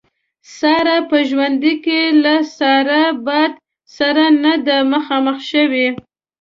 ساره په ژوند کې له ساړه باد سره نه ده مخامخ شوې.